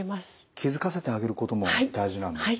気付かせてあげることも大事なんですね。